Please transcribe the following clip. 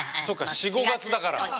そうか４５月だから。